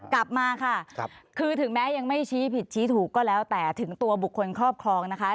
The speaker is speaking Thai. กลับมาค่ะคือถึงแม้ยังไม่ชี้ผิดชี้ถูกก็แล้วแต่ถึงตัวบุคคลครอบครองนะคะ